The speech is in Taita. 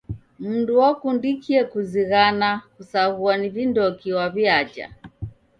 Mndu wakundikie kuzighana kusaghua ni vindoki waw'iaja.